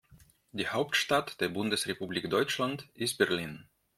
Die Hauptstadt der Bundesrepublik Deutschland ist Berlin